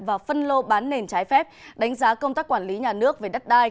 và phân lô bán nền trái phép đánh giá công tác quản lý nhà nước về đất đai